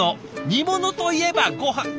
煮物といえばごはん。